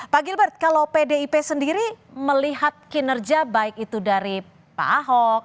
pak gilbert kalau pdip sendiri melihat kinerja baik itu dari pak ahok